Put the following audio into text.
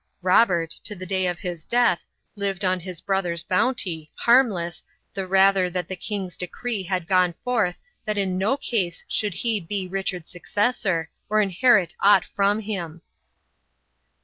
Robert, to the day of his death, lived on his brother's bounty, harmless, the rather that the king's decree had gone forth that in no case should he be Richard's successor, or inherit aught from him.